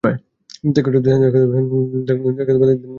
দেখ দেখি এখানে!